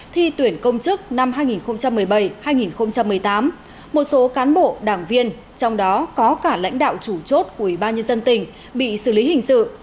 thi tuyển công chức năm hai nghìn một mươi bảy hai nghìn một mươi tám một số cán bộ đảng viên trong đó có cả lãnh đạo chủ chốt của ubnd bị xử lý hình sự